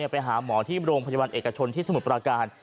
ไปหาหมอที่โรงพยาบาลเอกชนที่สมุทรปราการ